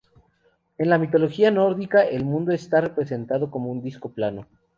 En la mitología nórdica el mundo está representado como un disco plano.